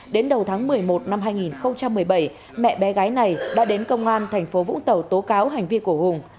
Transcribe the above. đến đầu tháng một mươi một năm hai nghìn một mươi bảy mẹ bé gái này đã đến công an thành phố vũng tàu tố cáo hành vi của hùng